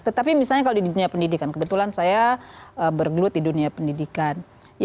tetapi misalnya kalau di dunia pendidikan kebetulan saya bergelut di dunia pendidikan